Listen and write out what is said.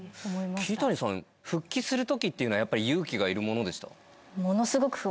桐谷さん復帰するときっていうのはやっぱり勇気がいるものでした？